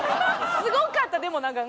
すごかったでもなんか。